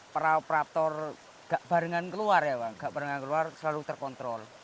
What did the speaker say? para operator gak barengan keluar ya bang gak barengan keluar selalu terkontrol